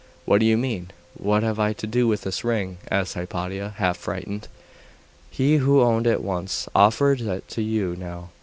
'What do you mean? What have I to do with this ring?' asked Hypatia, half frightened. 'He who owned it once, offers it to you now.